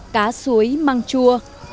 cá suối măng chua